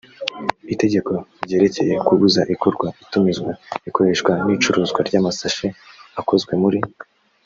itegeko ryerekeye kubuza ikorwa itumizwa ikoreshwa n icuruzwa ry amasashe akozwe muri